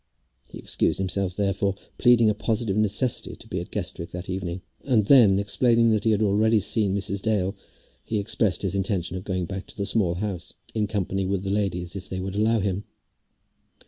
He excused himself therefore, pleading a positive necessity to be at Guestwick that evening, and then, explaining that he had already seen Mrs. Dale, he expressed his intention of going back to the Small House in company with the ladies, if they would allow him.